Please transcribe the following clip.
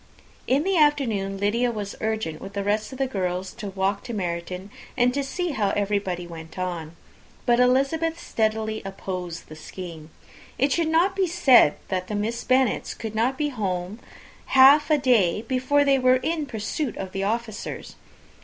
In the afternoon Lydia was urgent with the rest of the girls to walk to Meryton, and see how everybody went on; but Elizabeth steadily opposed the scheme. It should not be said, that the Miss Bennets could not be at home half a day before they were in pursuit of the officers.